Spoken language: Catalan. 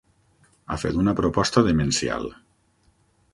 Ha fet una proposta demencial.